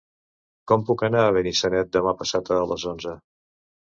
Com puc anar a Benissanet demà passat a les onze?